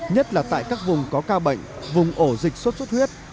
nhất là tại các vùng có ca bệnh vùng ổ dịch sốt xuất huyết